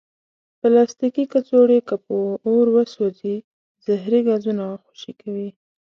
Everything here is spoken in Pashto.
پلاستيکي کڅوړې که په اور وسوځي، زهري ګازونه خوشې کوي.